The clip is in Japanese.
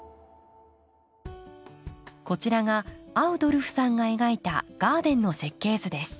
こちらがアウドルフさんが描いたガーデンの設計図です。